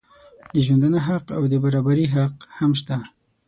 د ژوندانه حق او د برابري حق هم شته.